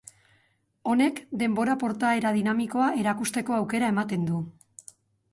Honek denbora portaera dinamikoa erakusteko aukera ematen du.